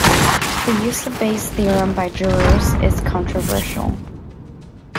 The use of Bayes' theorem by jurors is controversial.